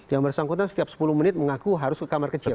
yang bersangkutan setiap sepuluh menit mengaku harus ke kamar kecil